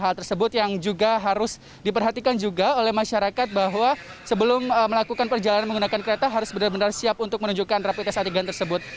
hal tersebut yang juga harus diperhatikan juga oleh masyarakat bahwa sebelum melakukan perjalanan menggunakan kereta harus benar benar siap untuk menunjukkan rapid test antigen tersebut